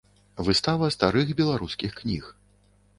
Выстава старых беларускіх кніг.